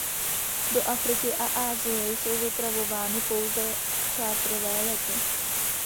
Do Afriky a Asie jsou vypravovány pouze charterové lety.